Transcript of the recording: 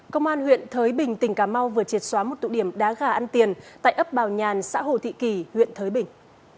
công an huyện thới bình tỉnh cà mau vừa triệt xóa một tụ điểm đá gà ăn tiền tại ấp bào nhàn xã hồ thị kỳ huyện thới bình